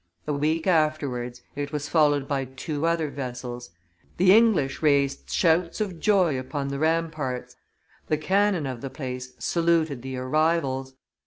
A week afterwards, it was followed by two other vessels. The English raised shouts of joy upon the ramparts, the cannon of the place saluted the arrivals.